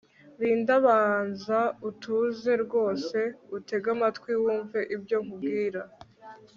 Linda banza utuze rwose unteg amatwi wumve ibyo nkubwira